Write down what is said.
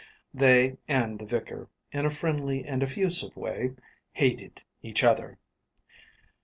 They and the vicar, in a friendly and effusive way, hated each other.